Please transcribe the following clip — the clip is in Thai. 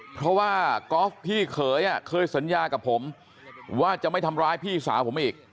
เพราะว่าก๊อฟพี่เขยเคยสัญญากับผมว่าจะไม่ทำร้ายพี่สาวผมอีก